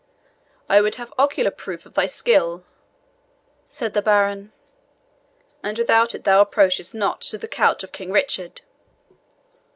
"I would have ocular proof of thy skill," said the baron, "and without it thou approachest not to the couch of King Richard."